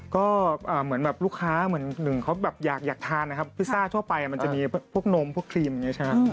ก็เหมือนแบบลูกค้าเหมือนหนึ่งเขาแบบอยากทานนะครับพิซซ่าทั่วไปมันจะมีพวกนมพวกครีมอย่างนี้ใช่ไหม